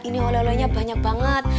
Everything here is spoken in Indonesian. ini oleh olehnya banyak banget